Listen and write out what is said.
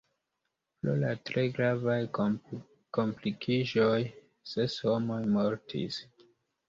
Pro la tre gravaj komplikiĝoj ses homoj mortis.